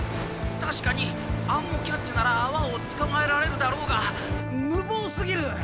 「確かにアンモキャッチなら泡を捕まえられるだろうが無謀すぎる！」。